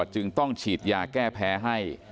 จึงต้องฉีดยาแก้แพ้ให้